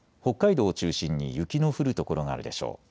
北海道を中心に雪の降る所があるでしょう。